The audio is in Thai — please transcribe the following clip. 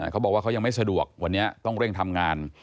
เขาบอกว่าเขายังไม่สะดวกวันนี้ต้องเร่งทำงาน